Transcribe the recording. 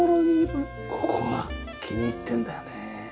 ここが気に入ってんだよね？